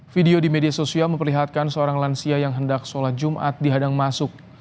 video di media sosial memperlihatkan seorang lansia yang hendak sholat jumat dihadang masuk